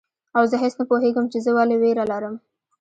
او زه هیڅ نه پوهیږم چي زه ولي ویره لرم